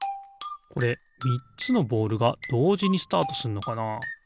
これみっつのボールがどうじにスタートすんのかな？